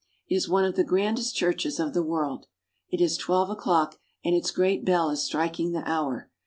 It is one of the grandest churches of the world. It is twelve o'clock, and its great bell is striking the hour.